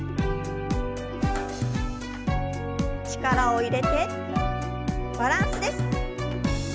力を入れてバランスです。